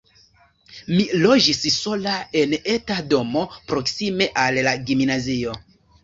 Mi loĝis sola en eta domo, proksime al la gimnazio.